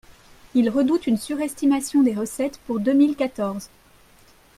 Il redoute une surestimation des recettes pour deux mille quatorze.